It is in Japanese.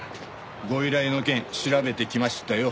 ご依頼の件調べてきましたよ。